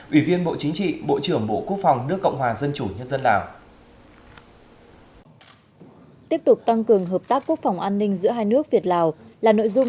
ủy viên bộ chính trị bộ trưởng bộ quốc phòng nước cộng hòa dân chủ nhân dân lào